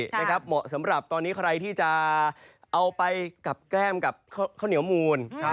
เหมาะสำหรับตอนนี้ใครที่จะเอาไปกับแก้มกับข้าวเหนียวมูล